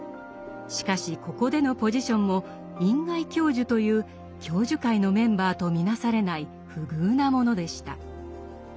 しかしここでのポジションも員外教授という教授会のメンバーと見なされない不遇なものでした。